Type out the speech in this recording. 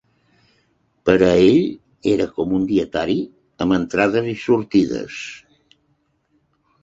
Pera ell era com un dietari amb entrades i sortides